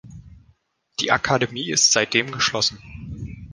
Die Akademie ist seitdem geschlossen.